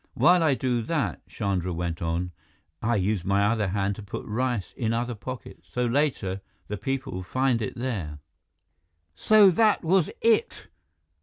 "While I do that," Chandra went on, "I use my other hand to put rice in other pockets. So later, the people find it there." "So that was it!"